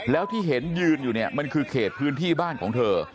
แล้วที่เห็นยืนอยู่เนี่ยมันคือเขตพื้นที่บ้านของเธอ